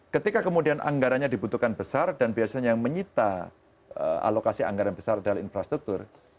ketika kemudian anggarannya dibutuhkan besar dan biasanya yang menyita alokasi anggaran besar adalah infrastruktur